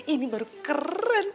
ini baru keren